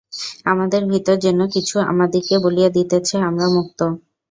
আমাদের ভিতর যেন কিছু আমাদিগকে বলিয়া দিতেছে, আমরা মুক্ত।